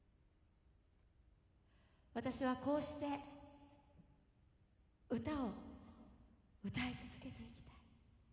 私はこうして歌を歌い続けていきたい。